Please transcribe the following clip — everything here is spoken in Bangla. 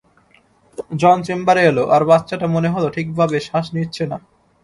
জন চেম্বারে এলো, আর বাচ্চাটা মনে হল ঠিকভাবে শ্বাস নিচ্ছে না।